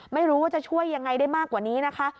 ไม่รู้ว่าจะช่วยยังไงได้มากกว่านี้นะคะ